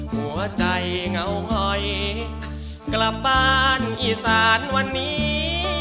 หัวใจเหงาหอยกลับบ้านอีสานวันนี้